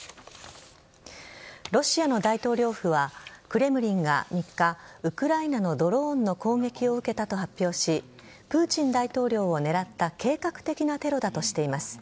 ロシアの大統領府はクレムリンが３日ウクライナのドローンの攻撃を受けたと発表しプーチン大統領を狙った計画的なテロだとしています。